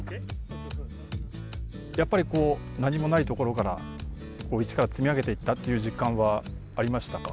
やっぱりこう何もないところから一から積み上げていったっていう実感はありましたか？